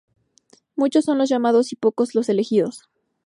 Muchos son los llamados y pocos los elegidos